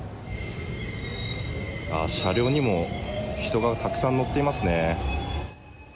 車両にも人がたくさん乗っていますね。